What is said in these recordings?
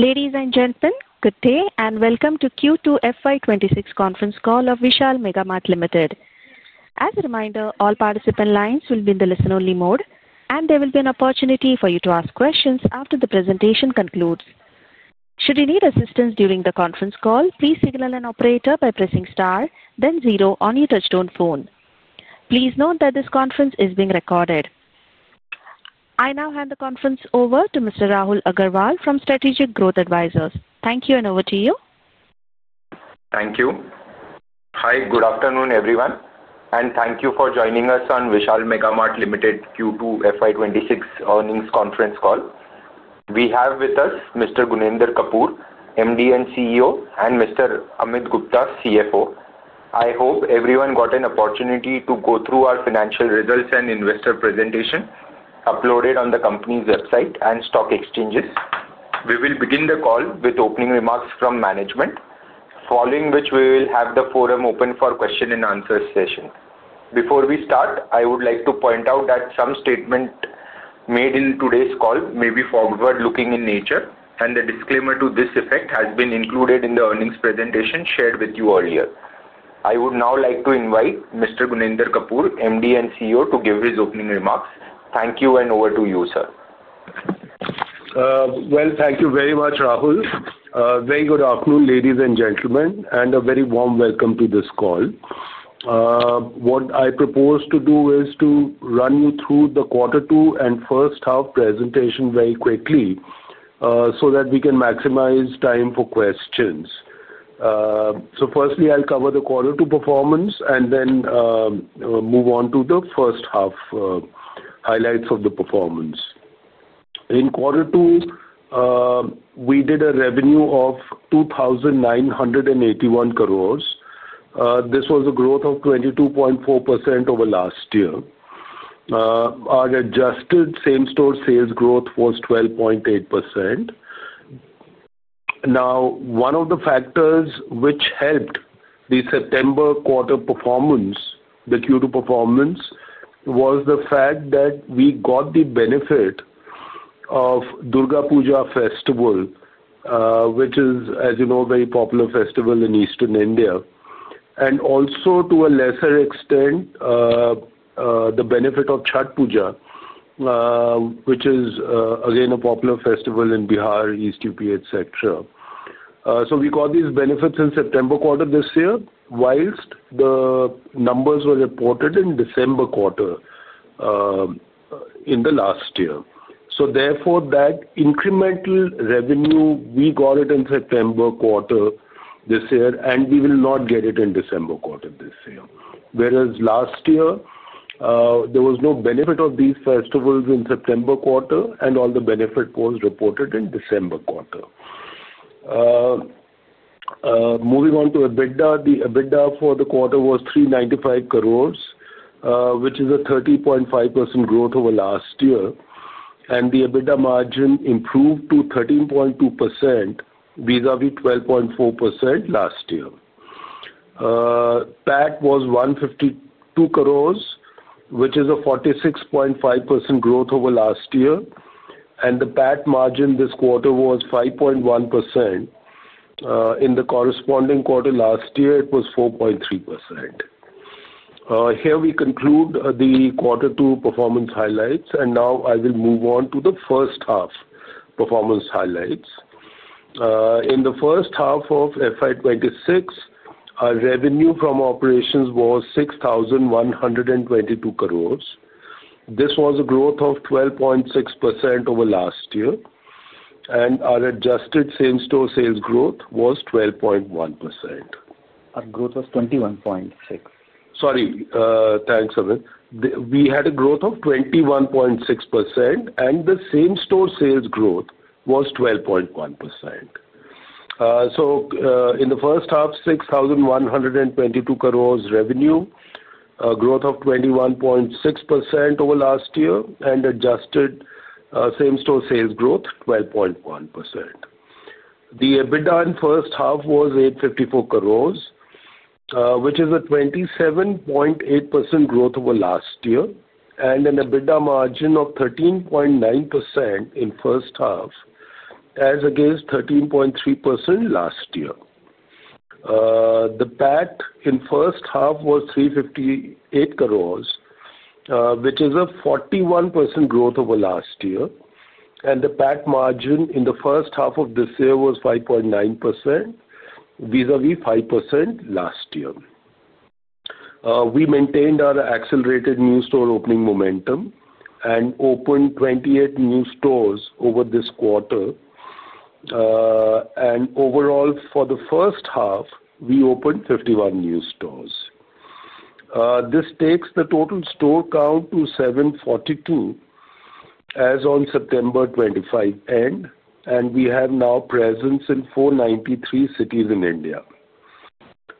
Ladies and gentlemen, good day and welcome to Q2 FY26 Conference Call of Vishal Mega Mart Limited. As a reminder, all participant lines will be in the listen-only mode, and there will be an opportunity for you to ask questions after the presentation concludes. Should you need assistance during the conference call, please signal an operator by pressing star, then zero on your touchstone phone. Please note that this conference is being recorded. I now hand the conference over to Mr. Rahul Agarwal from Strategic Growth Advisors. Thank you, and over to you. Thank you. Hi, good afternoon, everyone, and thank you for joining us on Vishal Mega Mart Q2 FY2026 Earnings Conference call. We have with us Mr. Gunender Kapur, MD and CEO, and Mr. Amit Gupta, CFO. I hope everyone got an opportunity to go through our financial results and investor presentation uploaded on the company's website and stock exchanges. We will begin the call with opening remarks from management, following which we will have the forum open for question-and-answer session. Before we start, I would like to point out that some statements made in today's call may be forward-looking in nature, and the disclaimer to this effect has been included in the earnings presentation shared with you earlier. I would now like to invite Mr. Gunender Kapur, MD and CEO, to give his opening remarks. Thank you, and over to you, sir. Thank you very much, Rahul. Very good afternoon, ladies and gentlemen, and a very warm welcome to this call. What I propose to do is to run you through the quarter two and first half presentation very quickly so that we can maximize time for questions. Firstly, I'll cover the quarter two performance and then move on to the first half highlights of the performance. In quarter two, we did a revenue of 2,981 crore. This was a growth of 22.4% over last year. Our adjusted same-store sales growth was 12.8%. Now, one of the factors which helped the September quarter performance, the Q2 performance, was the fact that we got the benefit of Durga Puja festival, which is, as you know, a very popular festival in Eastern India, and also, to a lesser extent, the benefit of Chhath Puja, which is, again, a popular festival in Bihar, East UP, etc. We got these benefits in September quarter this year whilst the numbers were reported in December quarter in the last year. Therefore, that incremental revenue, we got it in September quarter this year, and we will not get it in December quarter this year. Whereas last year, there was no benefit of these festivals in September quarter, and all the benefit was reported in December quarter. Moving on to EBITDA, the EBITDA for the quarter was 395 crore, which is a 30.5% growth over last year, and the EBITDA margin improved to 13.2% vis-à-vis 12.4% last year. PAT was 152 crore, which is a 46.5% growth over last year, and the PAT margin this quarter was 5.1%. In the corresponding quarter last year, it was 4.3%. Here we conclude the quarter two performance highlights, and now I will move on to the first half performance highlights. In the first half of FY 2026, our revenue from operations was 6,122 crore. This was a growth of 12.6% over last year, and our adjusted same-store sales growth was 12.1%. Our growth was 21.6%. Sorry. Thanks, Amit. We had a growth of 21.6%, and the same-store sales growth was 12.1%. In the first half, 6,122 crores revenue, growth of 21.6% over last year, and adjusted same-store sales growth 12.1%. The EBITDA in first half was 854 crores, which is a 27.8% growth over last year, and an EBITDA margin of 13.9% in first half, as against 13.3% last year. The PAT in first half was 358 crores, which is a 41% growth over last year, and the PAT margin in the first half of this year was 5.9% vis-à-vis 5% last year. We maintained our accelerated new store opening momentum and opened 28 new stores over this quarter. Overall, for the first half, we opened 51 new stores. This takes the total store count to 742 as of September 25 end, and we have now presence in 493 cities in India.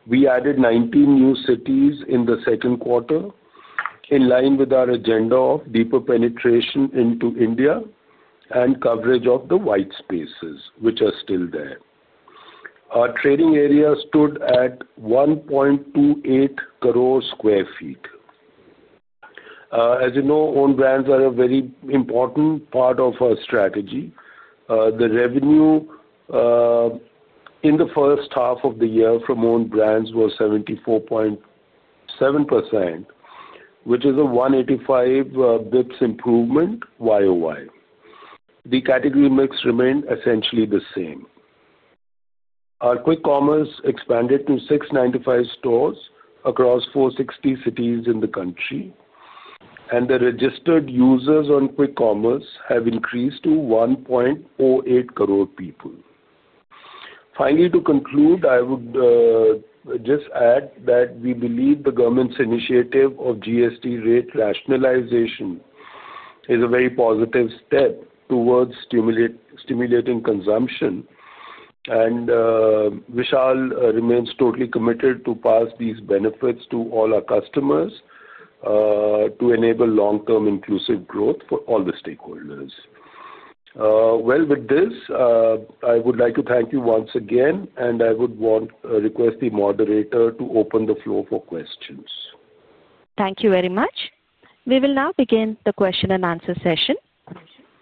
We added 19 new cities in the second quarter in line with our agenda of deeper penetration into India and coverage of the white spaces, which are still there. Our trading area stood at 1.28 crore sq ft. As you know, owned brands are a very important part of our strategy. The revenue in the first half of the year from owned brands was 74.7%, which is a 185 basis points improvement year over year. The category mix remained essentially the same. Our quick commerce expanded to 695 stores across 460 cities in the country, and the registered users on quick commerce have increased to 1.08 crore people. Finally, to conclude, I would just add that we believe the government's initiative of GST rate rationalization is a very positive step towards stimulating consumption, and Vishal remains totally committed to pass these benefits to all our customers to enable long-term inclusive growth for all the stakeholders. With this, I would like to thank you once again, and I would request the moderator to open the floor for questions. Thank you very much. We will now begin the question and answer session.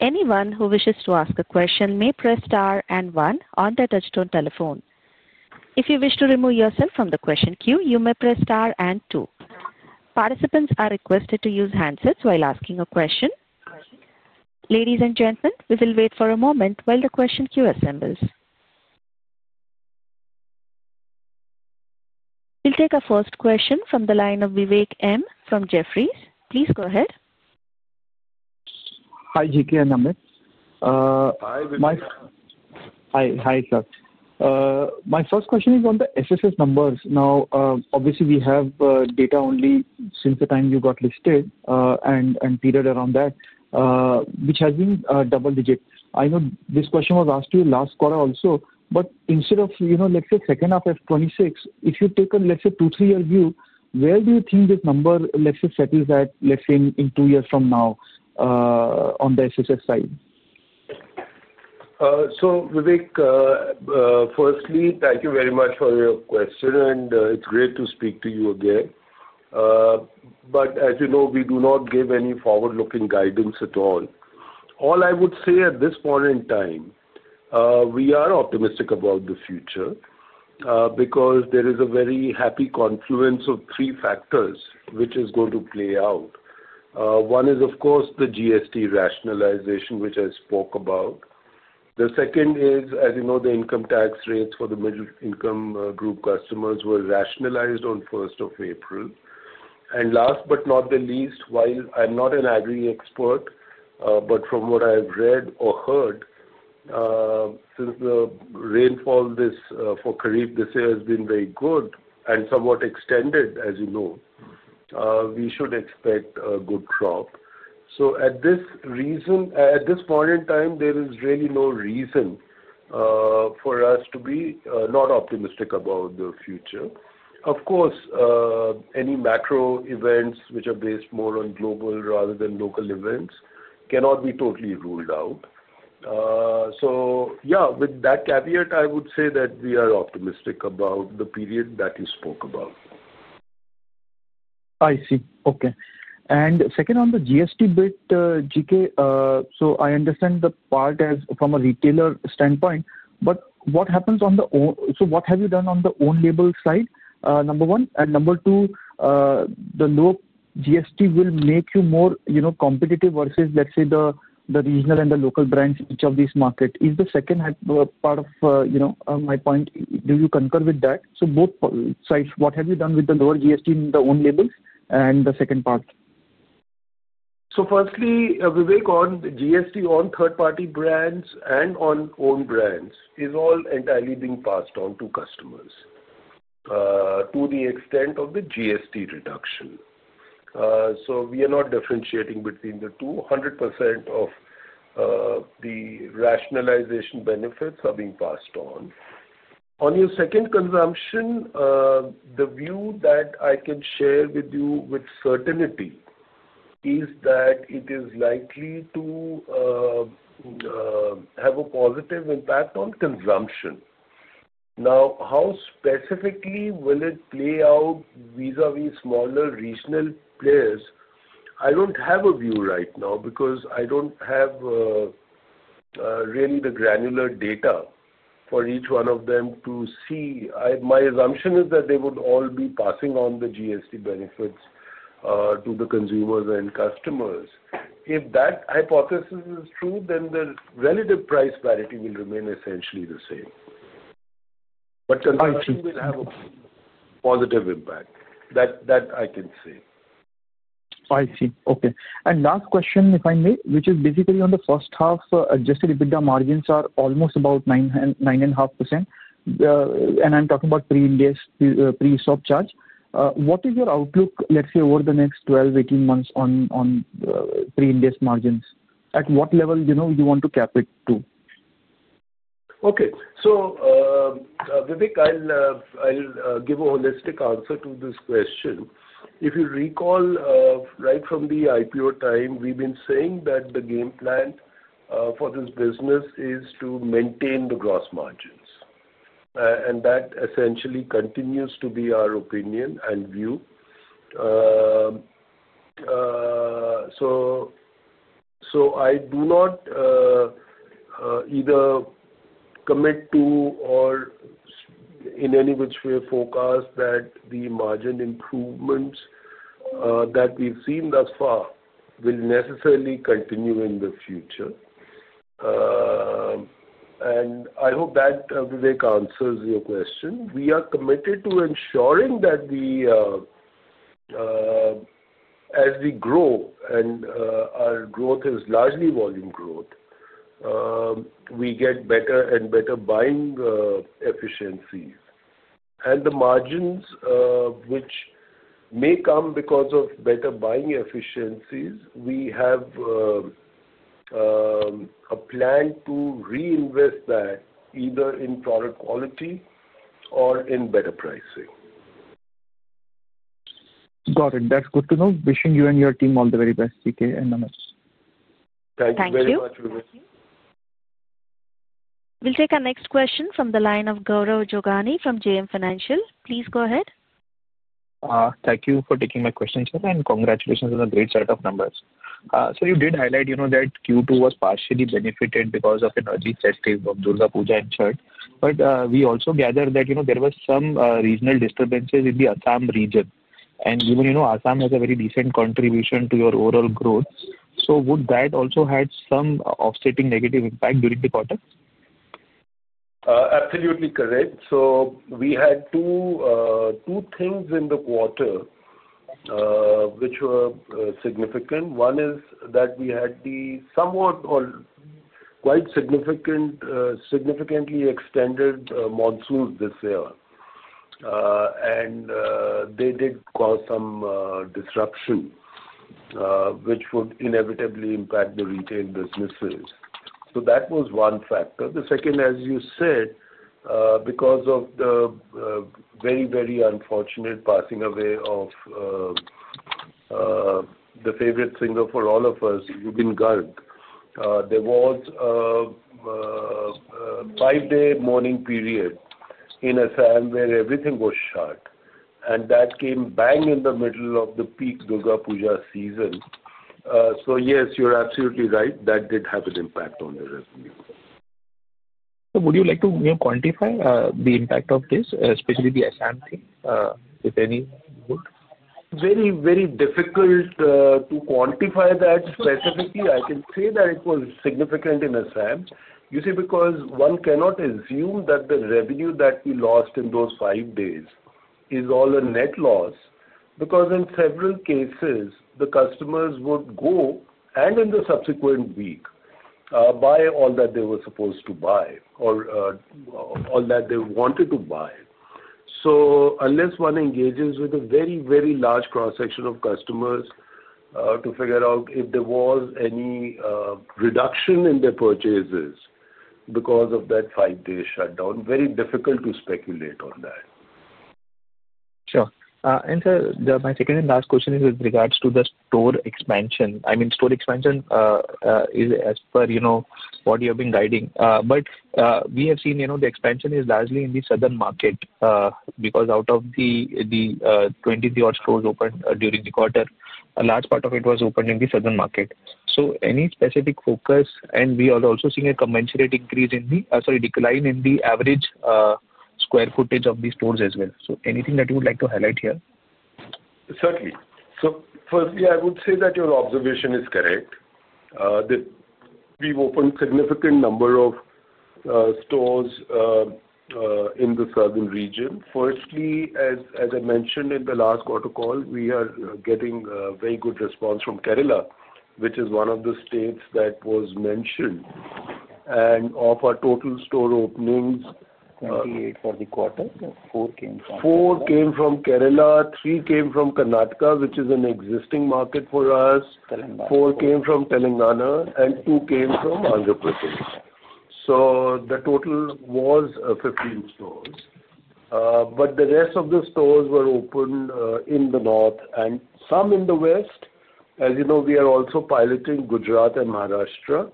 Anyone who wishes to ask a question may press star and one on their touchstone telephone. If you wish to remove yourself from the question queue, you may press star and two. Participants are requested to use handsets while asking a question. Ladies and gentlemen, we will wait for a moment while the question queue assembles. We'll take the first question from the line of Vivek M from Jefferies. Please go ahead. Hi, GK and Amit. Hi, Vivek. Hi, sir. My first question is on the SSS numbers. Now, obviously, we have data only since the time you got listed and period around that, which has been double-digit. I know this question was asked to you last quarter also, but instead of, let's say, second half of 2026, if you take a, let's say, two, three-year view, where do you think this number, let's say, settles at, let's say, in two years from now on the SSS side? Vivek, firstly, thank you very much for your question, and it's great to speak to you again. As you know, we do not give any forward-looking guidance at all. All I would say at this point in time, we are optimistic about the future because there is a very happy confluence of three factors which is going to play out. One is, of course, the GST rationalization, which I spoke about. The second is, as you know, the income tax rates for the middle-income group customers were rationalized on 1st of April. Last but not the least, while I'm not an agri expert, but from what I've read or heard, since the rainfall for Khareep this year has been very good and somewhat extended, as you know, we should expect a good crop. At this point in time, there is really no reason for us to be not optimistic about the future. Of course, any macro events which are based more on global rather than local events cannot be totally ruled out. Yeah, with that caveat, I would say that we are optimistic about the period that you spoke about. I see. Okay. Second, on the GST bit, GK, I understand the part as from a retailer standpoint, but what happens on the own? What have you done on the owned label side, number one? Number two, the lower GST will make you more competitive versus, let's say, the regional and the local brands in each of these markets. Is that the second part of my point? Do you concur with that? Both sides, what have you done with the lower GST in the owned labels, and the second part? Firstly, Vivek, on GST on third-party brands and on owned brands, it is all entirely being passed on to customers to the extent of the GST reduction. We are not differentiating between the two. 100% of the rationalization benefits are being passed on. On your second question, the view that I can share with you with certainty is that it is likely to have a positive impact on consumption. Now, how specifically will it play out vis-à-vis smaller regional players? I do not have a view right now because I do not really have the granular data for each one of them to see. My assumption is that they would all be passing on the GST benefits to the consumers and customers. If that hypothesis is true, then the relative price parity will remain essentially the same. Consumption will have a positive impact. That I can say. I see. Okay. Last question, if I may, which is basically on the first half, adjusted EBITDA margins are almost about 9.5%, and I'm talking about pre-indexed pre-ESOP charge. What is your outlook, let's say, over the next 12-18 months on pre-indexed margins? At what level do you want to cap it to? Okay. Vivek, I'll give a holistic answer to this question. If you recall, right from the IPO time, we've been saying that the game plan for this business is to maintain the gross margins. That essentially continues to be our opinion and view. I do not either commit to or in any which way forecast that the margin improvements that we've seen thus far will necessarily continue in the future. I hope that, Vivek, answers your question. We are committed to ensuring that as we grow, and our growth is largely volume growth, we get better and better buying efficiencies. The margins, which may come because of better buying efficiencies, we have a plan to reinvest that either in product quality or in better pricing. Got it. That's good to know. Wishing you and your team all the very best, GK and Amit. Thank you very much, Vivek. Thank you. We'll take our next question from the line of Gaurav Jogani from JM Financial. Please go ahead. Thank you for taking my question, sir, and congratulations on a great set of numbers. You did highlight that Q2 was partially benefited because of energy sector of Durga Puja insurance. We also gathered that there were some regional disturbances in the Assam region. Even Assam has a very decent contribution to your overall growth. Would that also have some offsetting negative impact during the quarter? Absolutely correct. We had two things in the quarter which were significant. One is that we had the somewhat or quite significantly extended monsoons this year, and they did cause some disruption, which would inevitably impact the retail businesses. That was one factor. The second, as you said, because of the very, very unfortunate passing away of the favorite singer for all of us, Zubeen Garg, there was a five-day mourning period in Assam where everything was shut. That came bang in the middle of the peak Durga Puja season. Yes, you are absolutely right. That did have an impact on the revenue. Would you like to quantify the impact of this, especially the Assam thing, if any? Very, very difficult to quantify that specifically. I can say that it was significant in Assam. You see, because one cannot assume that the revenue that we lost in those five days is all a net loss because in several cases, the customers would go and in the subsequent week buy all that they were supposed to buy or all that they wanted to buy. Unless one engages with a very, very large cross-section of customers to figure out if there was any reduction in their purchases because of that five-day shutdown, very difficult to speculate on that. Sure. Sir, my second and last question is with regards to the store expansion. I mean, store expansion is as per what you have been guiding. We have seen the expansion is largely in the southern market because out of the 20 stores opened during the quarter, a large part of it was opened in the southern market. Any specific focus? We are also seeing a commensurate decline in the average square footage of these stores as well. Anything that you would like to highlight here? Certainly. Firstly, I would say that your observation is correct. We've opened a significant number of stores in the southern region. Firstly, as I mentioned in the last quarter call, we are getting a very good response from Kerala, which is one of the states that was mentioned. And of our total store openings. Three for the quarter? Four came from Kerala. Four came from Kerala. Three came from Karnataka, which is an existing market for us. Four came from Telangana, and two came from Andhra Pradesh. The total was 15 stores. The rest of the stores were opened in the north and some in the west. As you know, we are also piloting Gujarat and Maharashtra.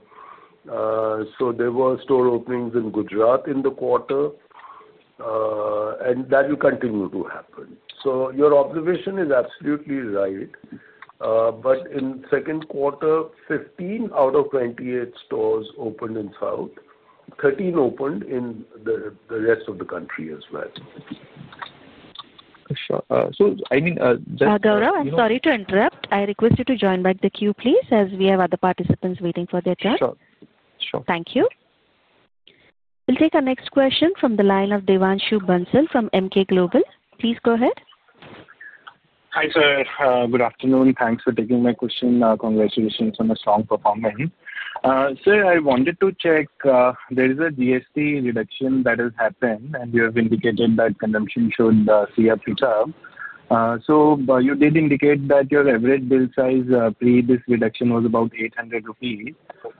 There were store openings in Gujarat in the quarter, and that will continue to happen. Your observation is absolutely right. In the second quarter, 15 out of 28 stores opened in south. Thirteen opened in the rest of the country as well. Sure. I mean. Gaurav, I'm sorry to interrupt. I request you to join back the queue, please, as we have other participants waiting for their turn. Sure. Sure. Thank you. We'll take our next question from the line of Devanshu Bansal from Emkay Global. Please go ahead. Hi sir. Good afternoon. Thanks for taking my question. Congratulations on a strong performance. Sir, I wanted to check there is a GST reduction that has happened, and you have indicated that consumption showed a CRP curve. You did indicate that your average bill size pre this reduction was about 800 rupees.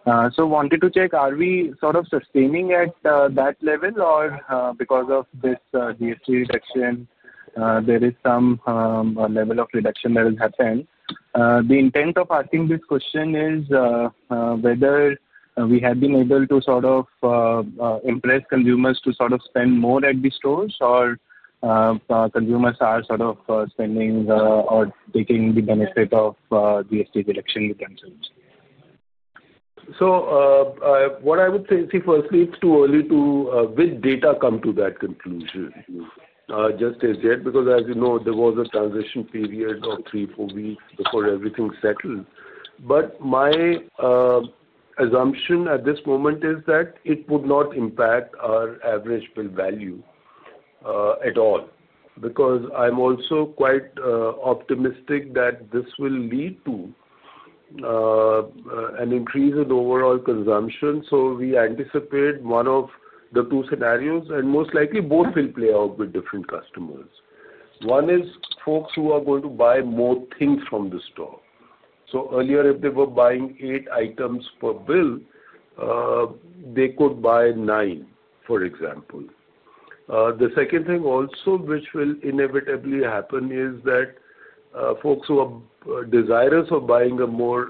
I wanted to check, are we sort of sustaining at that level or because of this GST reduction, there is some level of reduction that has happened? The intent of asking this question is whether we have been able to sort of impress consumers to sort of spend more at these stores or consumers are sort of spending or taking the benefit of GST reduction with themselves. What I would say, see, firstly, it's too early to, with data, come to that conclusion just as yet because, as you know, there was a transition period of three-four weeks before everything settled. My assumption at this moment is that it would not impact our average bill value at all because I'm also quite optimistic that this will lead to an increase in overall consumption. We anticipate one of the two scenarios, and most likely both will play out with different customers. One is folks who are going to buy more things from the store. Earlier, if they were buying eight items per bill, they could buy nine, for example. The second thing also which will inevitably happen is that folks who are desirous of buying a more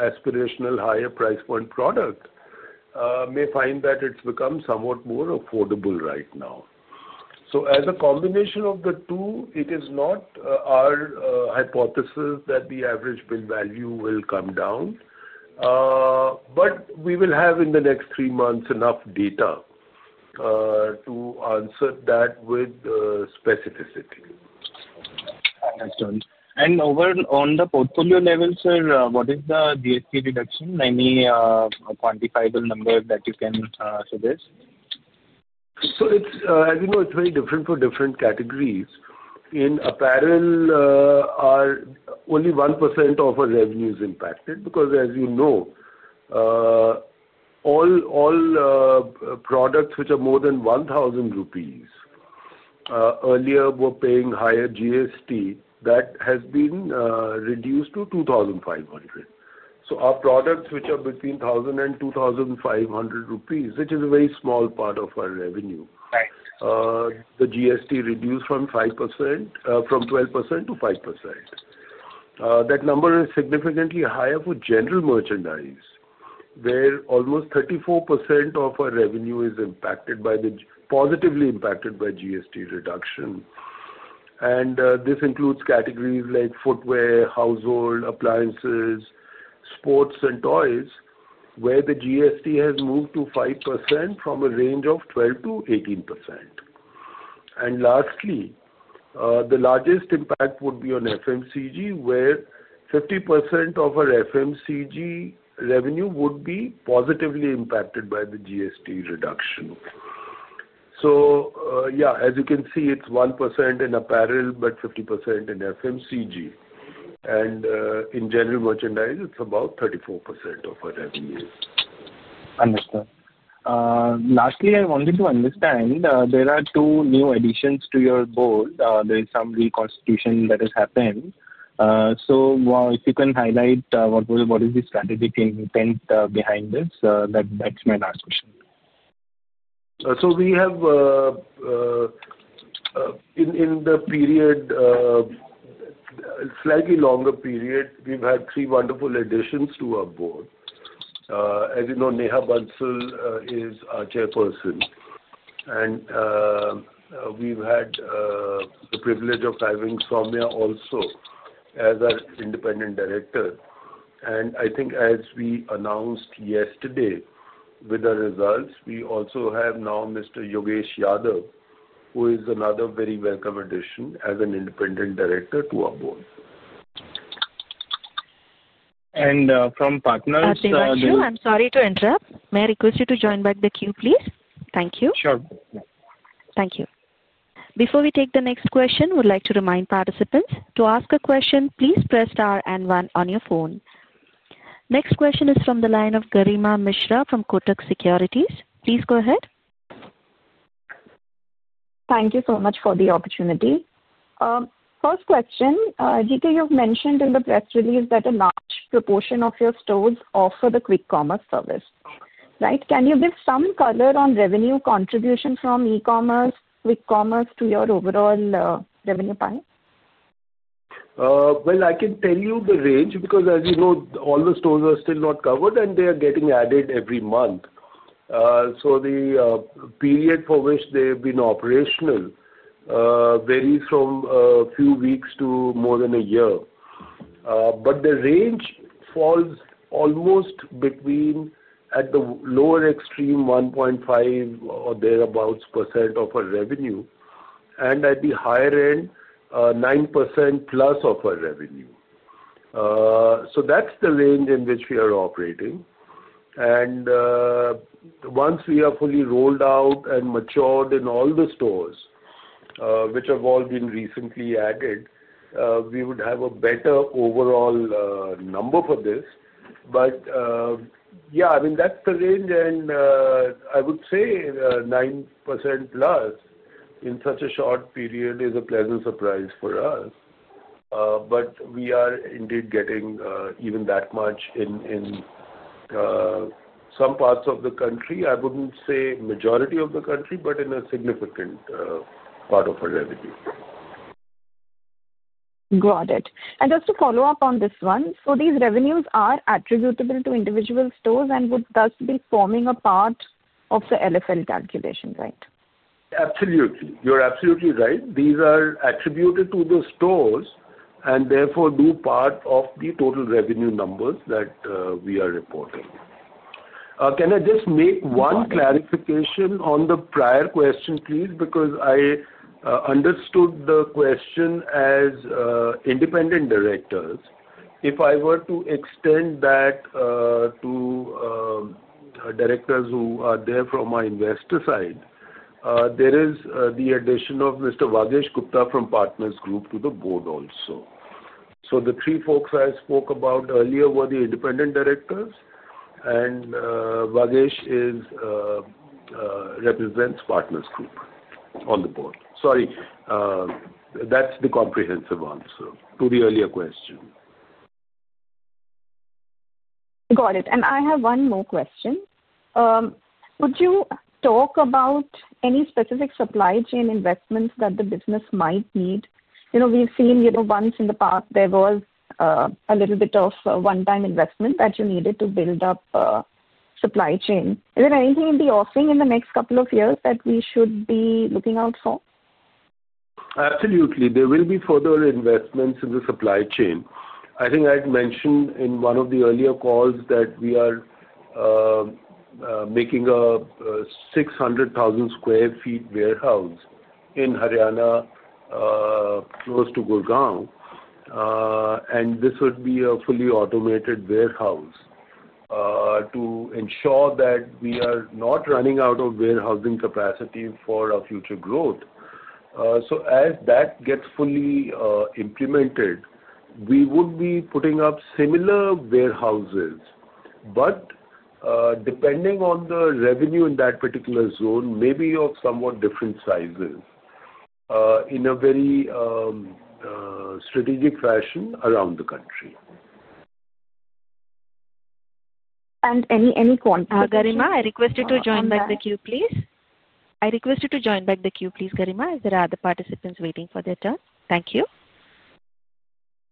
aspirational, higher price point product may find that it's become somewhat more affordable right now. As a combination of the two, it is not our hypothesis that the average bill value will come down. We will have in the next three months enough data to answer that with specificity. Understood. Over on the portfolio level, sir, what is the GST reduction? Any quantifiable number that you can suggest? As you know, it's very different for different categories. In apparel, only 1% of our revenues impacted because, as you know, all products which are more than 1,000 rupees earlier were paying higher GST. That has been reduced to 2,500. Our products which are between 1,000 and 2,500 rupees, which is a very small part of our revenue, the GST reduced from 12% to 5%. That number is significantly higher for general merchandise, where almost 34% of our revenue is positively impacted by GST reduction. This includes categories like footwear, household appliances, sports, and toys, where the GST has moved to 5% from a range of 12%-18%. Lastly, the largest impact would be on FMCG, where 50% of our FMCG revenue would be positively impacted by the GST reduction. As you can see, it's 1% in apparel, but 50% in FMCG. In general merchandise, it's about 34% of our revenue. Understood. Lastly, I wanted to understand there are two new additions to your board. There is some reconstitution that has happened. If you can highlight what is the strategic intent behind this, that's my last question. We have, in the period, slightly longer period, had three wonderful additions to our board. As you know, Neha Bansal is our Chairperson. We have had the privilege of having Soumya also as our Independent Director. I think as we announced yesterday with our results, we also have now Mr. Yogesh Yadav, who is another very welcome addition as an Independent Director to our board. From Partners, the. Thank you. I'm sorry to interrupt. May I request you to join back the queue, please? Thank you. Sure. Thank you. Before we take the next question, we'd like to remind participants to ask a question. Please press star and one on your phone. Next question is from the line of Garima Mishra from Kotak Securities. Please go ahead. Thank you so much for the opportunity. First question, GK, you've mentioned in the press release that a large proportion of your stores offer the quick commerce service, right? Can you give some color on revenue contribution from e-commerce, quick commerce to your overall revenue pipe? I can tell you the range because, as you know, all the stores are still not covered, and they are getting added every month. The period for which they have been operational varies from a few weeks to more than a year. The range falls almost between, at the lower extreme, 1.5% or thereabouts of our revenue, and at the higher end, 9%+ of our revenue. That is the range in which we are operating. Once we are fully rolled out and matured in all the stores, which have all been recently added, we would have a better overall number for this. Yeah, I mean, that is the range. I would say 9%+ in such a short period is a pleasant surprise for us. We are indeed getting even that much in some parts of the country. I wouldn't say majority of the country, but in a significant part of our revenue. Got it. Just to follow up on this one, these revenues are attributable to individual stores and would thus be forming a part of the LFL calculation, right? Absolutely. You're absolutely right. These are attributed to the stores and therefore do part of the total revenue numbers that we are reporting. Can I just make one clarification on the prior question, please? Because I understood the question as independent directors. If I were to extend that to directors who are there from our investor side, there is the addition of Mr. Vagesh Gupta from Partners Group to the board also. So the three folks I spoke about earlier were the independent directors, and Vagesh represents Partners Group on the board. Sorry. That's the comprehensive answer to the earlier question. Got it. I have one more question. Would you talk about any specific supply chain investments that the business might need? We've seen once in the past there was a little bit of one-time investment that you needed to build up supply chain. Is there anything in the offing in the next couple of years that we should be looking out for? Absolutely. There will be further investments in the supply chain. I think I'd mentioned in one of the earlier calls that we are making a 600,000 sq ft warehouse in Haryana close to Gurugram. This would be a fully automated warehouse to ensure that we are not running out of warehousing capacity for our future growth. As that gets fully implemented, we would be putting up similar warehouses, but depending on the revenue in that particular zone, maybe of somewhat different sizes in a very strategic fashion around the country. Garima, I request you to join back the queue, please. I request you to join back the queue, please, Garima. Is there other participants waiting for their turn? Thank you.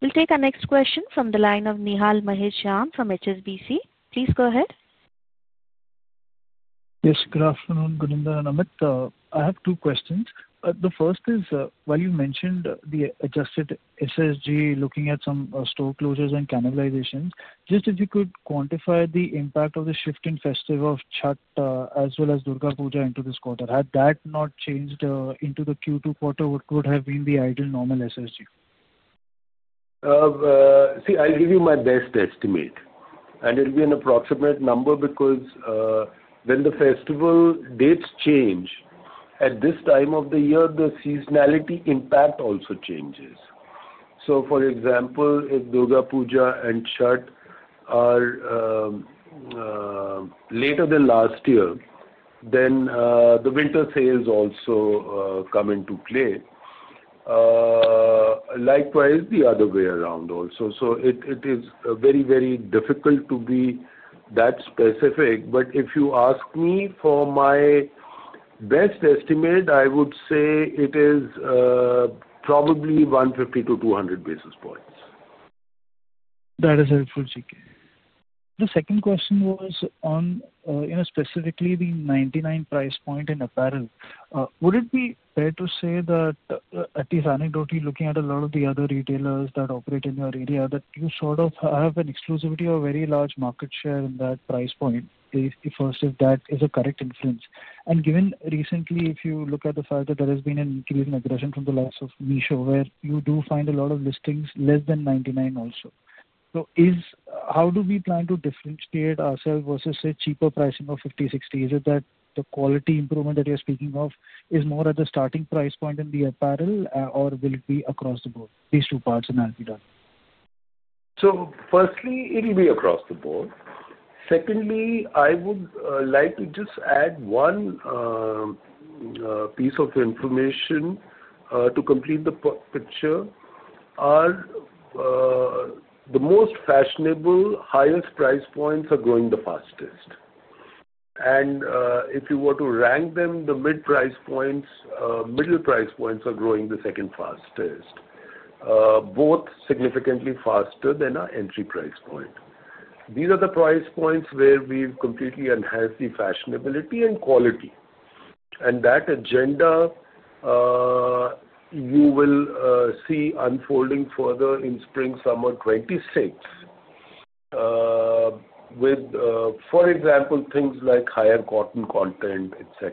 We'll take our next question from the line of Nihal Mahesh Sharma from HSBC. Please go ahead. Yes. Good afternoon. Gunender and Amit. I have two questions. The first is, while you mentioned the adjusted SSG, looking at some store closures and cannibalization, just if you could quantify the impact of the shift in festival of Chhath as well as Durga Puja into this quarter. Had that not changed into the Q2 quarter, what would have been the ideal normal SSG? See, I'll give you my best estimate. And it'll be an approximate number because when the festival dates change, at this time of the year, the seasonality impact also changes. For example, if Durga Puja and Chhath are later than last year, then the winter sales also come into play. Likewise, the other way around also. It is very, very difficult to be that specific. If you ask me for my best estimate, I would say it is probably 150-200 basis points. That is helpful, GK. The second question was specifically the 99 price point in apparel. Would it be fair to say that, at least anecdotally, looking at a lot of the other retailers that operate in your area, that you sort of have an exclusivity or very large market share in that price point? First, if that is a correct inference. Given recently, if you look at the fact that there has been an increase in aggression from the likes of Meesho, where you do find a lot of listings less than 99 also. How do we plan to differentiate ourselves versus, say, cheaper pricing of 50, 60? Is it that the quality improvement that you're speaking of is more at the starting price point in the apparel, or will it be across the board? These two parts and I'll be done. Firstly, it'll be across the board. Secondly, I would like to just add one piece of information to complete the picture. The most fashionable, highest price points are growing the fastest. If you were to rank them, the mid price points, middle price points are growing the second fastest, both significantly faster than our entry price point. These are the price points where we've completely enhanced the fashionability and quality. That agenda you will see unfolding further in spring-summer 2026 with, for example, things like higher cotton content, etc.,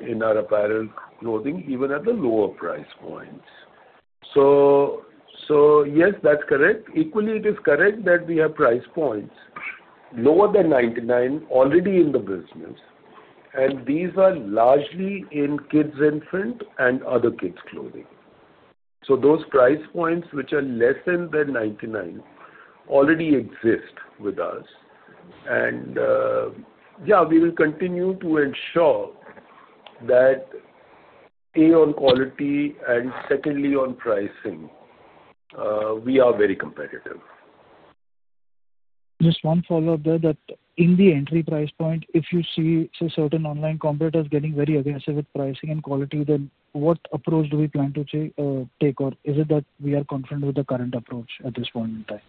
in our apparel clothing, even at the lower price points. Yes, that's correct. Equally, it is correct that we have price points lower than 99 already in the business. These are largely in kids' infant and other kids' clothing. Those price points which are less than 99 already exist with us. Yeah, we will continue to ensure that, A, on quality, and secondly, on pricing, we are very competitive. Just one follow-up there that in the entry price point, if you see certain online competitors getting very aggressive with pricing and quality, then what approach do we plan to take? Is it that we are confident with the current approach at this point in time?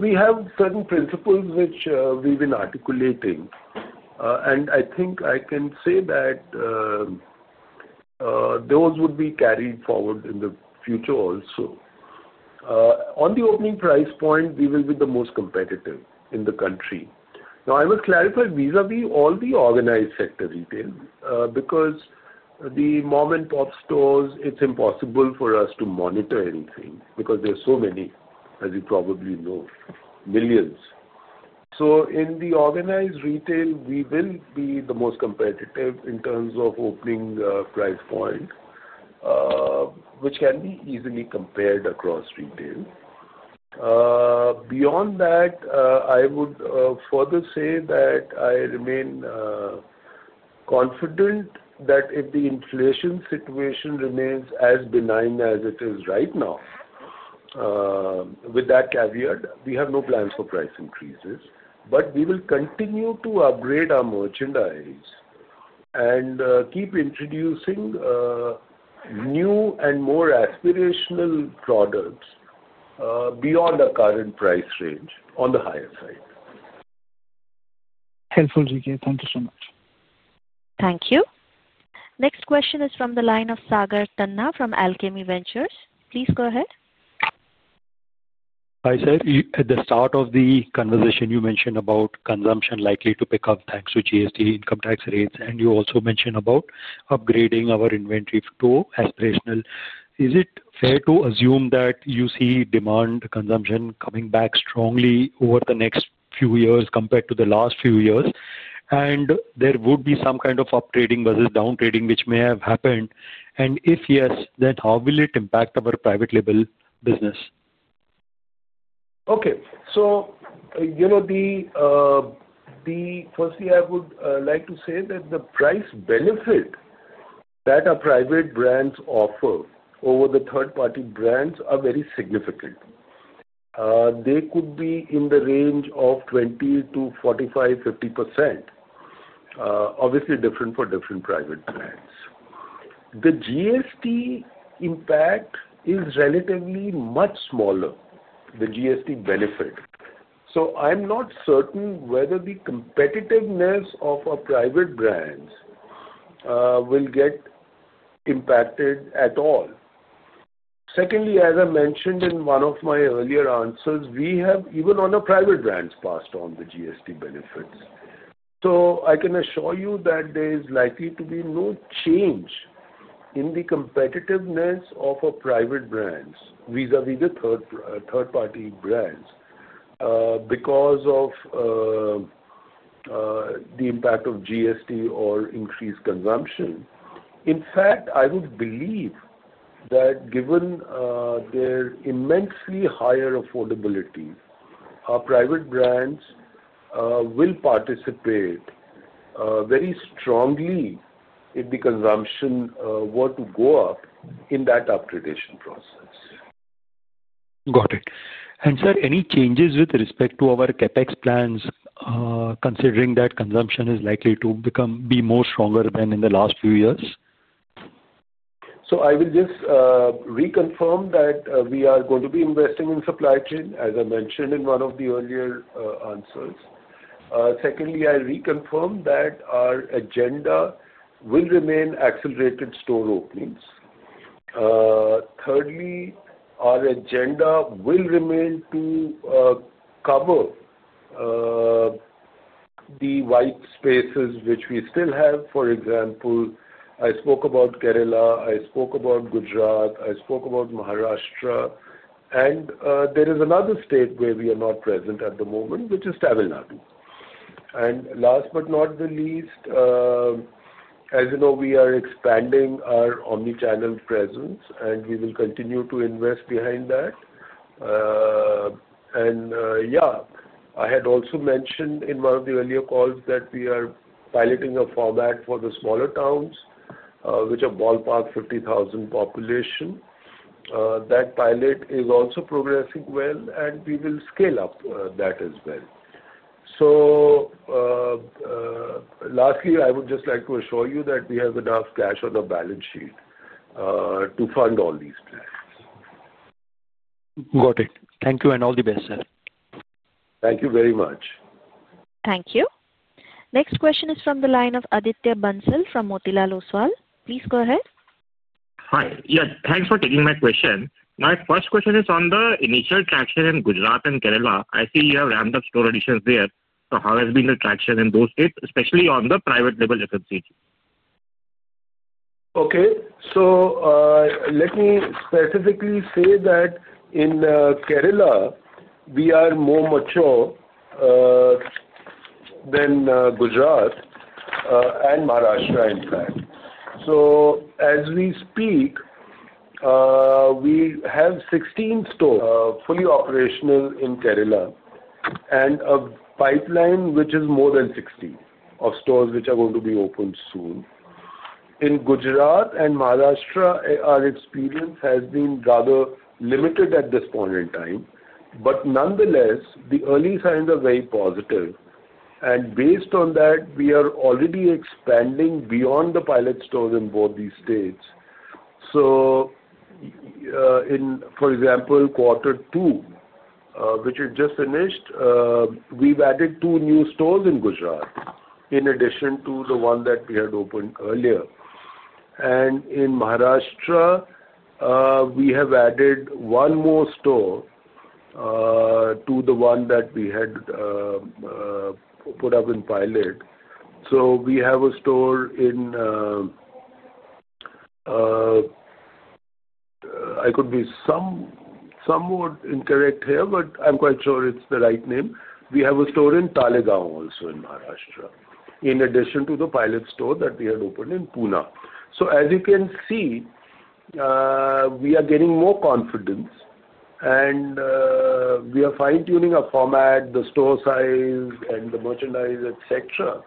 We have certain principles which we've been articulating. I think I can say that those would be carried forward in the future also. On the opening price point, we will be the most competitive in the country. Now, I will clarify vis-à-vis all the organized sector retail because the mom-and-pop stores, it's impossible for us to monitor anything because there are so many, as you probably know, millions. In the organized retail, we will be the most competitive in terms of opening price point, which can be easily compared across retail. Beyond that, I would further say that I remain confident that if the inflation situation remains as benign as it is right now, with that caveat, we have no plans for price increases. We will continue to upgrade our merchandise and keep introducing new and more aspirational products beyond our current price range on the higher side. Helpful, GK. Thank you so much. Thank you. Next question is from the line of Sagar Tanna from Alchemie Ventures. Please go ahead. Hi, sir. At the start of the conversation, you mentioned about consumption likely to pick up thanks to GST income tax rates. You also mentioned about upgrading our inventory to aspirational. Is it fair to assume that you see demand consumption coming back strongly over the next few years compared to the last few years? There would be some kind of uptrading versus downtrading which may have happened. If yes, then how will it impact our private label business? Okay. Firstly, I would like to say that the price benefit that our private brands offer over the third-party brands is very significant. They could be in the range of 20-45, 50%, obviously different for different private brands. The GST impact is relatively much smaller, the GST benefit. I'm not certain whether the competitiveness of our private brands will get impacted at all. Secondly, as I mentioned in one of my earlier answers, we have even on our private brands passed on the GST benefits. I can assure you that there is likely to be no change in the competitiveness of our private brands vis-à-vis the third-party brands because of the impact of GST or increased consumption. In fact, I would believe that given their immensely higher affordability, our private brands will participate very strongly if the consumption were to go up in that upgradation process. Got it. Sir, any changes with respect to our CapEx plans considering that consumption is likely to be more stronger than in the last few years? I will just reconfirm that we are going to be investing in supply chain, as I mentioned in one of the earlier answers. Secondly, I reconfirm that our agenda will remain accelerated store openings. Thirdly, our agenda will remain to cover the white spaces which we still have. For example, I spoke about Kerala. I spoke about Gujarat. I spoke about Maharashtra. There is another state where we are not present at the moment, which is Tamil Nadu. Last but not the least, as you know, we are expanding our omnichannel presence, and we will continue to invest behind that. Yeah, I had also mentioned in one of the earlier calls that we are piloting a format for the smaller towns which are ballpark 50,000 population. That pilot is also progressing well, and we will scale up that as well. Lastly, I would just like to assure you that we have enough cash on the balance sheet to fund all these plans. Got it. Thank you and all the best, sir. Thank you very much. Thank you. Next question is from the line of Aditya Bansal from Motilal Oswal. Please go ahead. Hi. Yeah. Thanks for taking my question. My first question is on the initial traction in Gujarat and Kerala. I see you have ramped up store additions there. How has been the traction in those states, especially on the private label FMCG? Okay. Let me specifically say that in Kerala, we are more mature than Gujarat and Maharashtra, in fact. As we speak, we have 16 stores fully operational in Kerala and a pipeline which is more than 60 stores which are going to be opened soon. In Gujarat and Maharashtra, our experience has been rather limited at this point in time. Nonetheless, the early signs are very positive. Based on that, we are already expanding beyond the pilot stores in both these states. For example, in quarter two, which we just finished, we have added two new stores in Gujarat in addition to the one that we had opened earlier. In Maharashtra, we have added one more store to the one that we had put up in pilot. We have a store in, I could be somewhat incorrect here, but I am quite sure it is the right name, we have a store in Talegaon also in Maharashtra in addition to the pilot store that we had opened in Pune. As you can see, we are getting more confidence, and we are fine-tuning our format, the store size, and the merchandise, etc.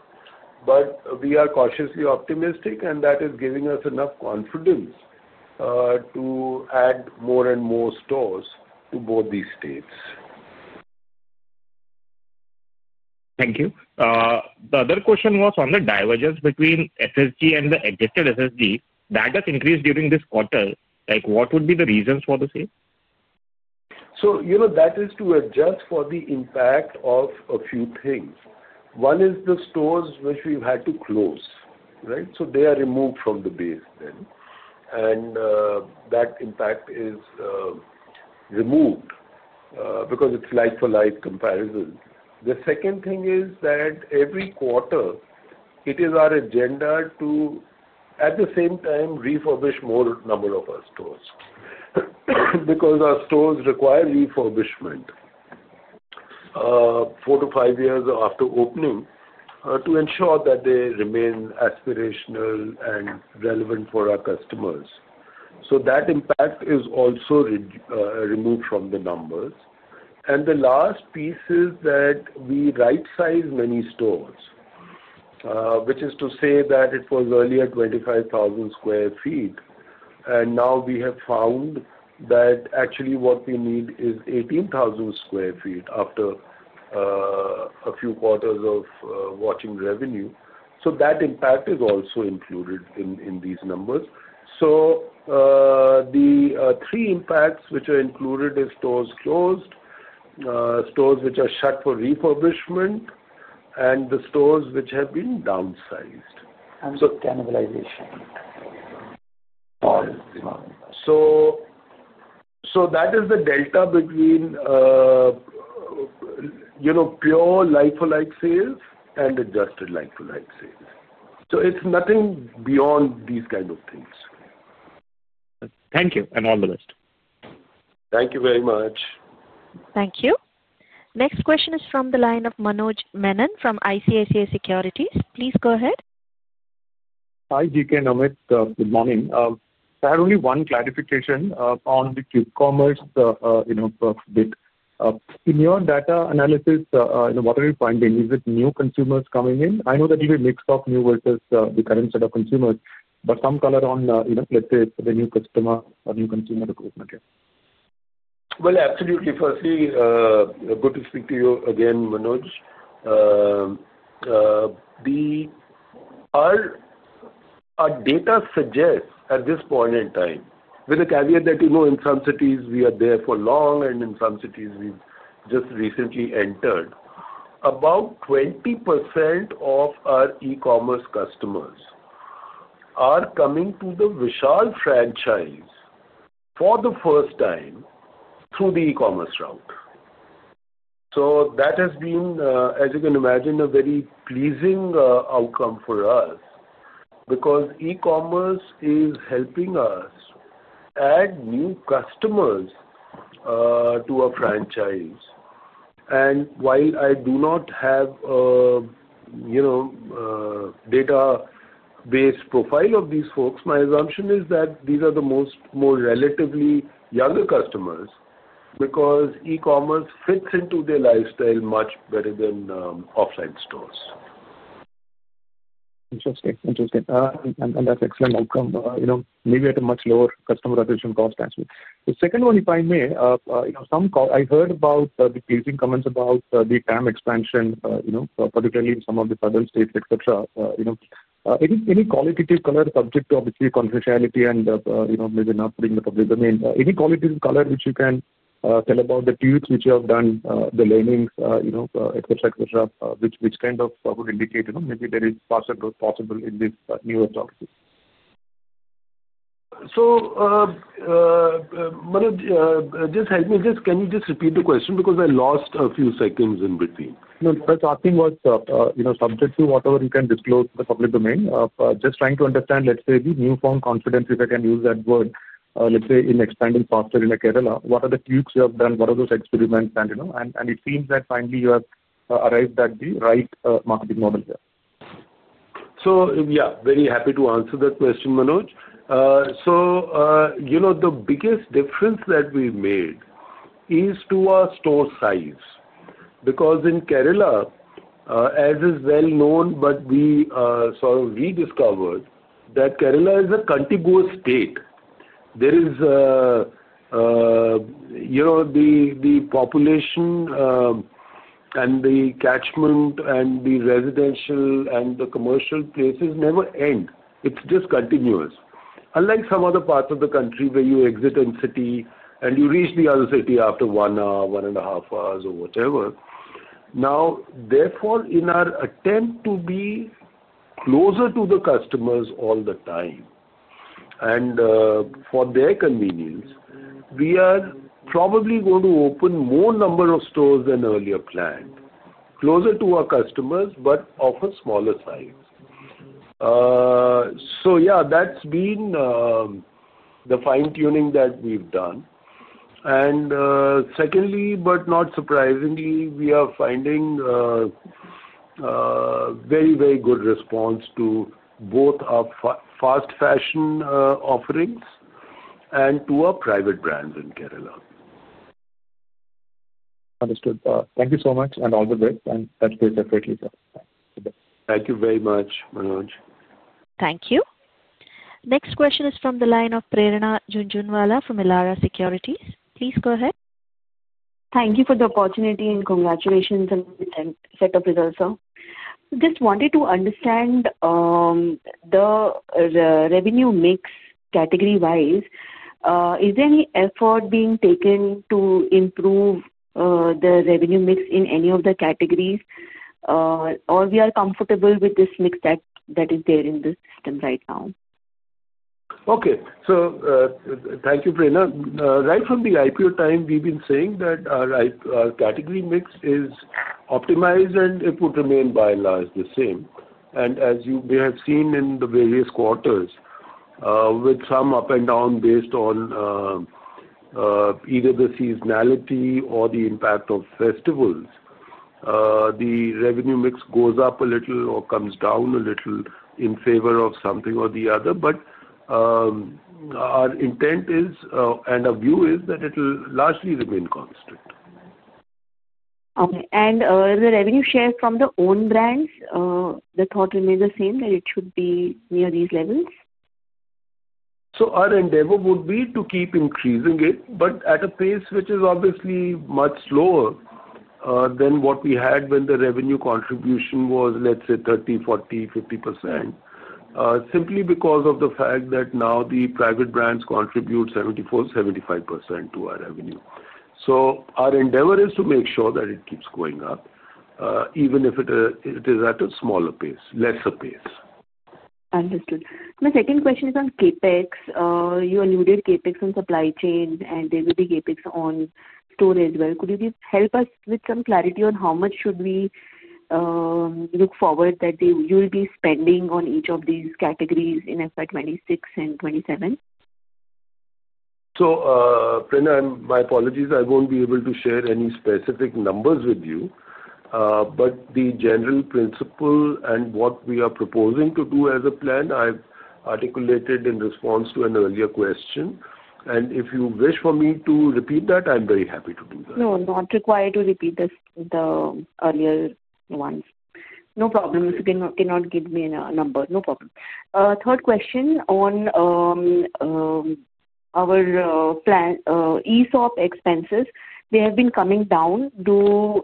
We are cautiously optimistic, and that is giving us enough confidence to add more and more stores to both these states. Thank you. The other question was on the divergence between SSSG and the adjusted SSSG. That has increased during this quarter. What would be the reasons for the same? That is to adjust for the impact of a few things. One is the stores which we've had to close, right? They are removed from the base then. That impact is removed because it's life-for-life comparison. The second thing is that every quarter, it is our agenda to, at the same time, refurbish more number of our stores because our stores require refurbishment four to five years after opening to ensure that they remain aspirational and relevant for our customers. That impact is also removed from the numbers. The last piece is that we right-size many stores, which is to say that it was earlier 25,000 sq ft, and now we have found that actually what we need is 18,000 sq ft after a few quarters of watching revenue. That impact is also included in these numbers. The three impacts which are included are stores closed, stores which are shut for refurbishment, and the stores which have been downsized. And cannibalization. That is the delta between pure like-for-like sales and adjusted like-for-like sales. It is nothing beyond these kinds of things. Thank you. All the best. Thank you very much. Thank you. Next question is from the line of Manoj Menon from ICICI Securities. Please go ahead. Hi, GK and Amit. Good morning. I have only one clarification on the QCommerce bit. In your data analysis, what are you finding? Is it new consumers coming in? I know that you have a mix of new versus the current set of consumers, but some color on, let's say, the new customer or new consumer recruitment, yes? Absolutely. Firstly, good to speak to you again, Manoj. Our data suggests at this point in time, with the caveat that in some cities we are there for long, and in some cities we have just recently entered, about 20% of our e-commerce customers are coming to the Vishal franchise for the first time through the e-commerce route. That has been, as you can imagine, a very pleasing outcome for us because e-commerce is helping us add new customers to our franchise. While I do not have a database profile of these folks, my assumption is that these are the more relatively younger customers because e-commerce fits into their lifestyle much better than offline stores. Interesting. Interesting. That is an excellent outcome. Maybe at a much lower customer acquisition cost, actually. The second one, if I may, I heard about the pleasing comments about the TAM expansion, particularly in some of the southern states, etc. Any qualitative color, subject to, obviously, confidentiality and maybe not putting in the public domain? Any qualitative color which you can tell about the tweaks which you have done, the learnings, etc., etc., which kind of would indicate maybe there is faster growth possible in these newer talks? Manoj, just help me with this. Can you just repeat the question because I lost a few seconds in between? No, but the thing was subject to whatever you can disclose to the public domain. Just trying to understand, let's say, the newfound confidence, if I can use that word, let's say, in expanding faster in Kerala. What are the tweaks you have done? What are those experiments? And it seems that finally you have arrived at the right marketing model here. Yeah, very happy to answer that question, Manoj. The biggest difference that we made is to our store size because in Kerala, as is well known, but we sort of rediscovered that Kerala is a contiguous state. There is the population and the catchment and the residential and the commercial places never end. It's just continuous. Unlike some other parts of the country where you exit a city and you reach the other city after one hour, one and a half hours, or whatever. Now, therefore, in our attempt to be closer to the customers all the time and for their convenience, we are probably going to open more number of stores than earlier planned, closer to our customers, but of a smaller size. Yeah, that's been the fine-tuning that we've done. Secondly, but not surprisingly, we are finding very, very good response to both our fast fashion offerings and to our private brands in Kerala. Understood. Thank you so much. All the best. That is great effort. Thank you very much, Manoj. Thank you. Next question is from the line of Prerna Jhunjhunwala from Elara Securities. Please go ahead. Thank you for the opportunity and congratulations on the setup results, sir. Just wanted to understand the revenue mix category-wise. Is there any effort being taken to improve the revenue mix in any of the categories, or are we comfortable with this mix that is there in the system right now? Okay. Thank you, Prerna. Right from the IPO time, we've been saying that our category mix is optimized, and it would remain by and large the same. As you may have seen in the various quarters, with some up and down based on either the seasonality or the impact of festivals, the revenue mix goes up a little or comes down a little in favor of something or the other. Our intent and our view is that it will largely remain constant. Okay. The revenue share from the own brands, the thought remains the same that it should be near these levels? Our endeavor would be to keep increasing it, but at a pace which is obviously much slower than what we had when the revenue contribution was, let's say, 30-40-50%, simply because of the fact that now the private brands contribute 74-75% to our revenue. Our endeavor is to make sure that it keeps going up, even if it is at a smaller pace, lesser pace. Understood. My second question is on CapEx. You alluded CapEx on supply chain, and there will be CapEx on store as well. Could you help us with some clarity on how much should we look forward that you will be spending on each of these categories in FY 2026 and 2027? Prerna, my apologies. I won't be able to share any specific numbers with you, but the general principle and what we are proposing to do as a plan I've articulated in response to an earlier question. If you wish for me to repeat that, I'm very happy to do that. No, not required to repeat the earlier ones. No problem. If you cannot give me a number, no problem. Third question on our ESOP expenses, they have been coming down. Do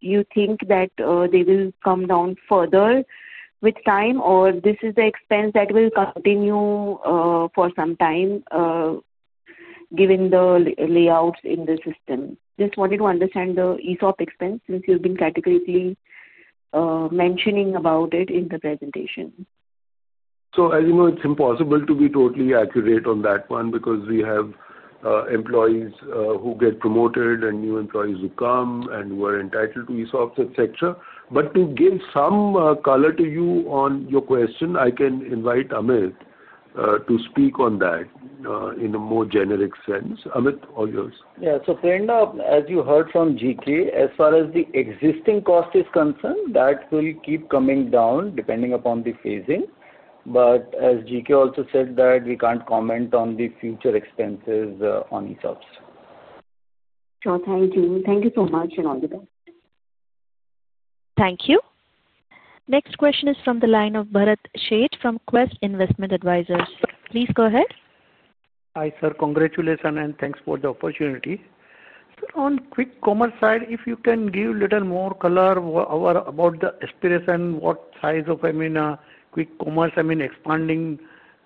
you think that they will come down further with time, or this is the expense that will continue for some time given the layouts in the system? Just wanted to understand the ESOP expense since you've been categorically mentioning about it in the presentation. As you know, it's impossible to be totally accurate on that one because we have employees who get promoted and new employees who come and who are entitled to ESOPs, etc. To give some color to you on your question, I can invite Amit to speak on that in a more generic sense. Amit, all yours. Yeah. Prerna, as you heard from GK, as far as the existing cost is concerned, that will keep coming down depending upon the phasing. As GK also said, we can't comment on the future expenses on ESOPs. Sure. Thank you. Thank you so much and all the best. Thank you. Next question is from the line of Bharat Sheth from Quest Investment Advisors. Please go ahead. Hi, sir. Congratulations and thanks for the opportunity. On QCommerce side, if you can give a little more color about the aspiration, what size of, I mean, QCommerce, I mean, expanding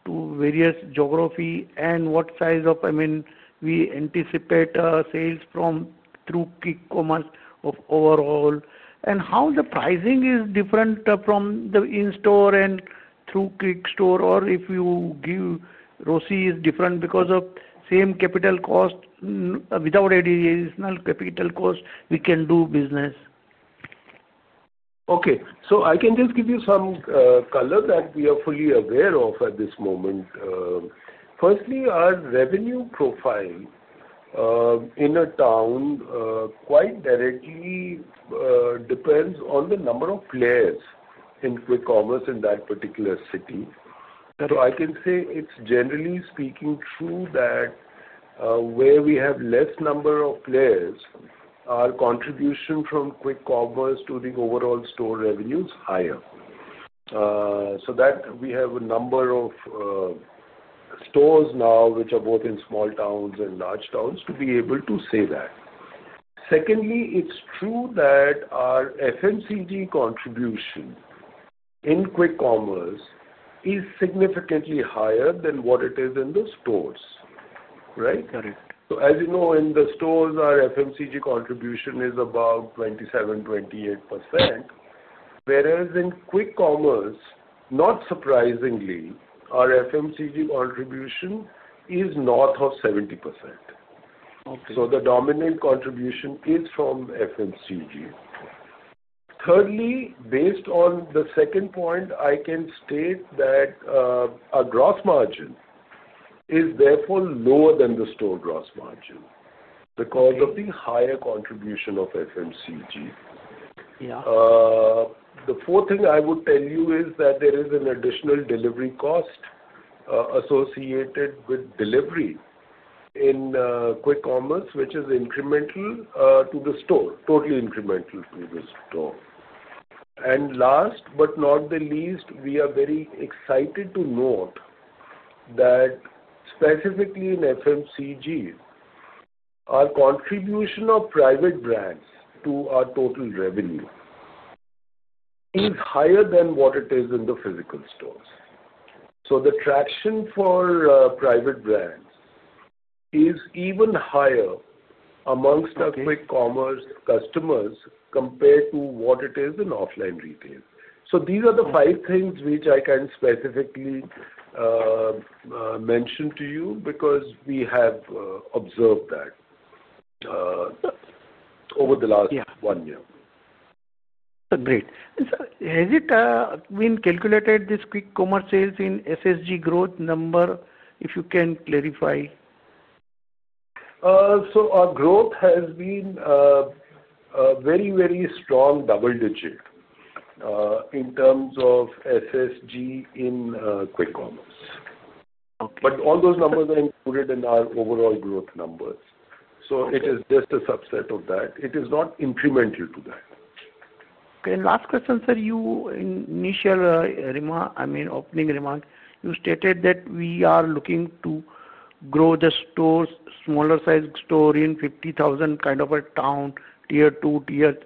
to various geographies, and what size of, I mean, we anticipate sales from through QCommerce overall, and how the pricing is different from the in-store and through QCommerce, or if you give ROSI is different because of same capital cost without additional capital cost, we can do business. Okay. I can just give you some color that we are fully aware of at this moment. Firstly, our revenue profile in a town quite directly depends on the number of players in QCommerce in that particular city. I can say, generally speaking, true that where we have less number of players, our contribution from QCommerce to the overall store revenue is higher. We have a number of stores now which are both in small towns and large towns to be able to say that. Secondly, it's true that our FMCG contribution in QCommerce is significantly higher than what it is in the stores, right? Correct. As you know, in the stores, our FMCG contribution is about 27-28%, whereas in QCommerce, not surprisingly, our FMCG contribution is north of 70%. The dominant contribution is from FMCG. Thirdly, based on the second point, I can state that our gross margin is therefore lower than the store gross margin because of the higher contribution of FMCG. The fourth thing I would tell you is that there is an additional delivery cost associated with delivery in QCommerce, which is incremental to the store, totally incremental to the store. Last but not the least, we are very excited to note that specifically in FMCG, our contribution of private brands to our total revenue is higher than what it is in the physical stores. The traction for private brands is even higher amongst our QCommerce customers compared to what it is in offline retail. These are the five things which I can specifically mention to you because we have observed that over the last one year. Great. Has it been calculated, this QCommerce sales in SSG growth number, if you can clarify? Our growth has been very, very strong double-digit in terms of SSG in QCommerce. All those numbers are included in our overall growth numbers. It is just a subset of that. It is not incremental to that. Okay. Last question, sir. Your initial opening remark, you stated that we are looking to grow the stores, smaller size store in 50,000 kind of a town, tier two, tier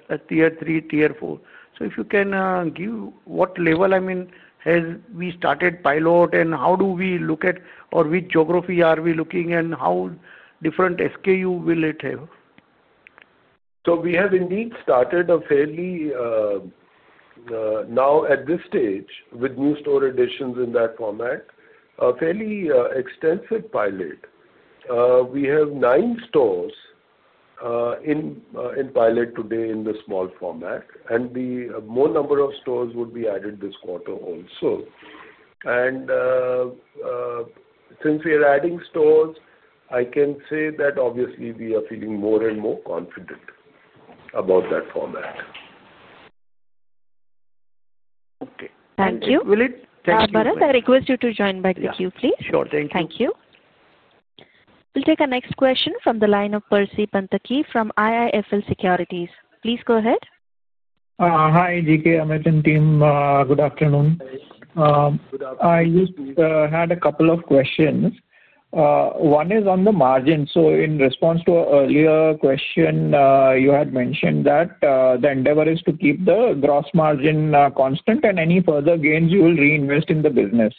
three, tier four. If you can give what level, I mean, have we started pilot and how do we look at or which geography are we looking and how different SKU will it have? We have indeed started a fairly, now at this stage with new store additions in that format, a fairly extensive pilot. We have nine stores in pilot today in the small format, and more stores would be added this quarter also. Since we are adding stores, I can say that obviously we are feeling more and more confident about that format. Okay. Thank you. Thank you. Bharat, I request you to join back the queue, please. Sure. Thank you. Thank you. We'll take our next question from the line of Percy Panthaki from IIFL Securities. Please go ahead. Hi, GK, Amit, and team. Good afternoon. I just had a couple of questions. One is on the margin. In response to an earlier question, you had mentioned that the endeavor is to keep the gross margin constant and any further gains, you will reinvest in the business.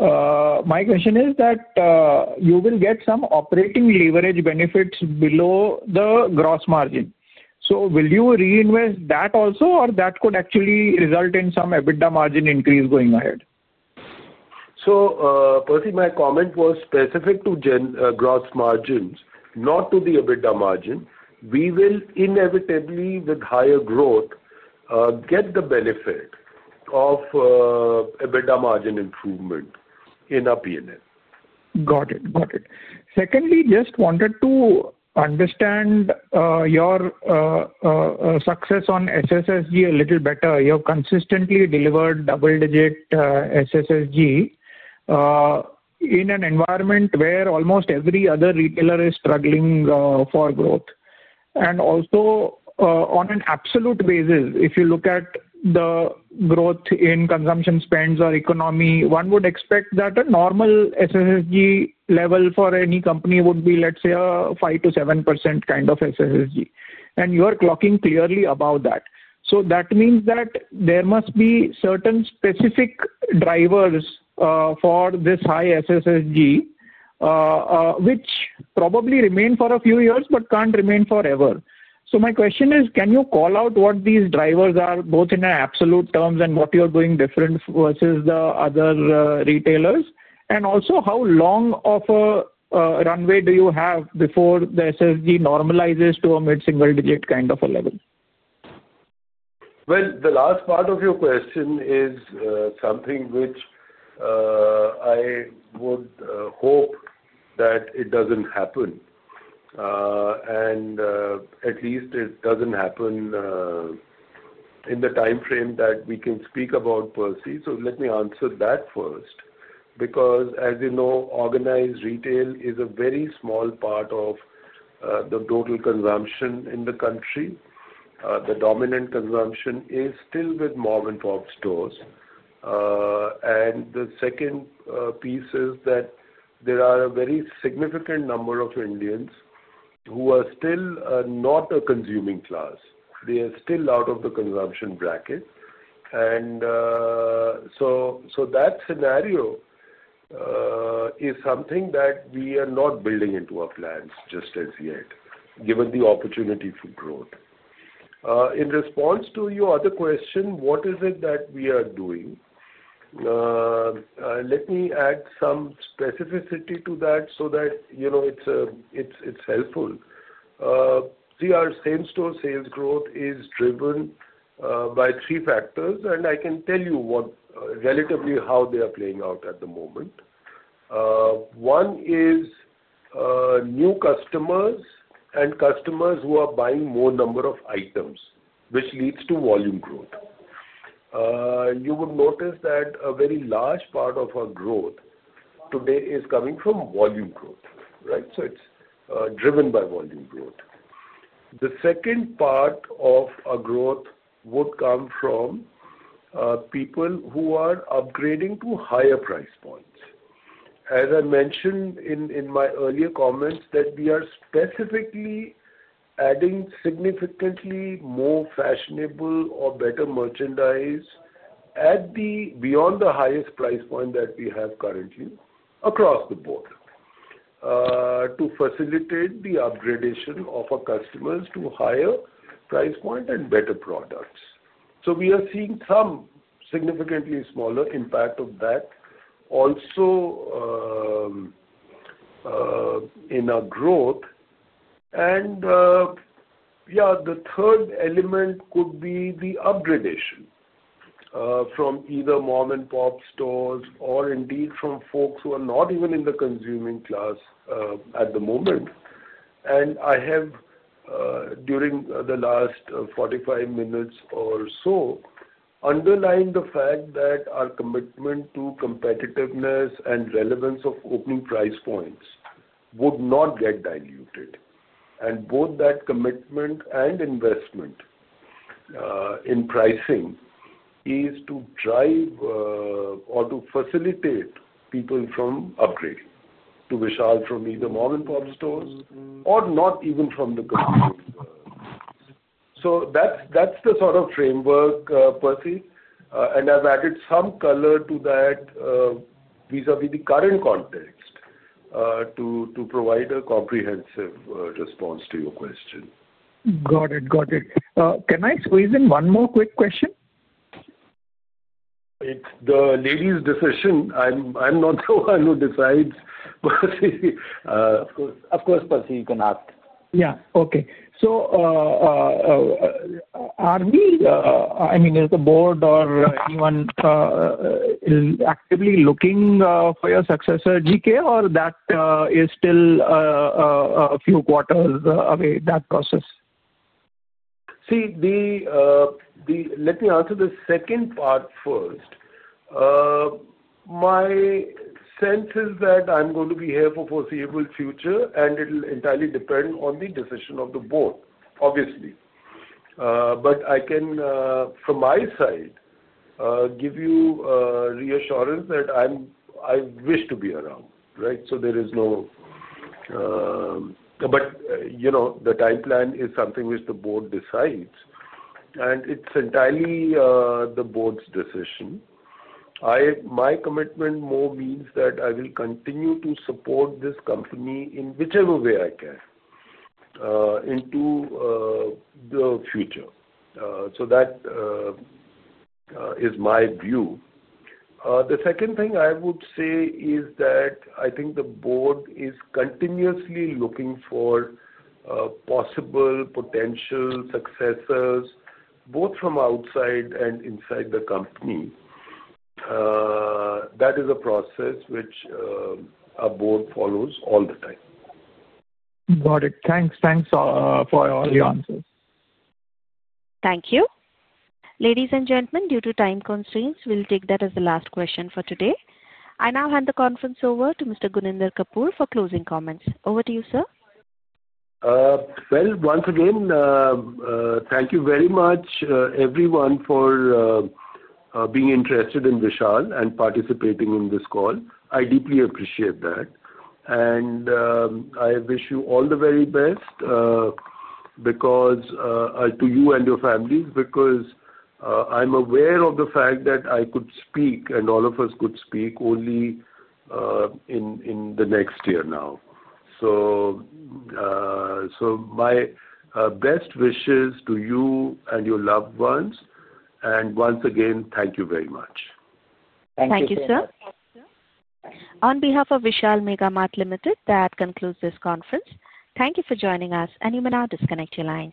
My question is that you will get some operating leverage benefits below the gross margin. Will you reinvest that also, or that could actually result in some EBITDA margin increase going ahead? Percy, my comment was specific to gross margins, not to the EBITDA margin. We will inevitably, with higher growth, get the benefit of EBITDA margin improvement in our P&L. Got it. Got it. Secondly, just wanted to understand your success on SSSG a little better. You have consistently delivered double-digit SSSG in an environment where almost every other retailer is struggling for growth. Also, on an absolute basis, if you look at the growth in consumption spends or economy, one would expect that a normal SSSG level for any company would be, let's say, a 5% to 7% kind of SSSG. You are clocking clearly above that. That means that there must be certain specific drivers for this high SSSG, which probably remain for a few years but cannot remain forever. My question is, can you call out what these drivers are, both in absolute terms and what you are doing different versus the other retailers? How long of a runway do you have before the SSSG normalizes to a mid-single-digit kind of a level? The last part of your question is something which I would hope that it does not happen. At least it does not happen in the time frame that we can speak about, Percy. Let me answer that first. As you know, organized retail is a very small part of the total consumption in the country. The dominant consumption is still with mom-and-pop stores. The second piece is that there are a very significant number of Indians who are still not a consuming class. They are still out of the consumption bracket. That scenario is something that we are not building into our plans just as yet, given the opportunity for growth. In response to your other question, what is it that we are doing? Let me add some specificity to that so that it is helpful. See, our same-store sales growth is driven by three factors, and I can tell you relatively how they are playing out at the moment. One is new customers and customers who are buying more number of items, which leads to volume growth. You would notice that a very large part of our growth today is coming from volume growth, right? It is driven by volume growth. The second part of our growth would come from people who are upgrading to higher price points. As I mentioned in my earlier comments, we are specifically adding significantly more fashionable or better merchandise beyond the highest price point that we have currently across the board to facilitate the upgradation of our customers to higher price point and better products. We are seeing some significantly smaller impact of that also in our growth. Yeah, the third element could be the upgradation from either mom-and-pop stores or indeed from folks who are not even in the consuming class at the moment. I have, during the last 45 minutes or so, underlined the fact that our commitment to competitiveness and relevance of opening price points would not get diluted. Both that commitment and investment in pricing is to drive or to facilitate people from upgrading to Vishal from either mom-and-pop stores or not even from the consuming class. That is the sort of framework, Percy. I have added some color to that vis-à-vis the current context to provide a comprehensive response to your question. Got it. Got it. Can I squeeze in one more quick question? It's the lady's decision. I'm not the one who decides, Percy. Of course, Percy, you can ask. Yeah. Okay. So are we, I mean, is the board or anyone actively looking for your successor, GK, or that is still a few quarters away, that process? See, let me answer the second part first. My sense is that I'm going to be here for the foreseeable future, and it'll entirely depend on the decision of the board, obviously. I can, from my side, give you reassurance that I wish to be around, right? There is no—but the time plan is something which the board decides, and it's entirely the board's decision. My commitment more means that I will continue to support this company in whichever way I can into the future. That is my view. The second thing I would say is that I think the board is continuously looking for possible potential successors, both from outside and inside the company. That is a process which our board follows all the time. Got it. Thanks. Thanks for all your answers. Thank you. Ladies and gentlemen, due to time constraints, we'll take that as the last question for today. I now hand the conference over to Mr. Gunender Kapur for closing comments. Over to you, sir. Once again, thank you very much, everyone, for being interested in Vishal and participating in this call. I deeply appreciate that. I wish you all the very best to you and your families because I'm aware of the fact that I could speak and all of us could speak only in the next year now. My best wishes to you and your loved ones. Once again, thank you very much. Thank you. Thank you, sir. On behalf of Vishal Mega Mart Limited, that concludes this conference. Thank you for joining us, and you may now disconnect your lines.